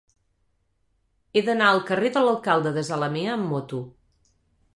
He d'anar al carrer de l'Alcalde de Zalamea amb moto.